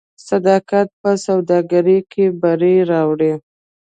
صداقت په سوداګرۍ کې بری راوړي.